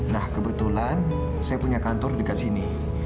nah kebetulan saya punya kantor dekat sini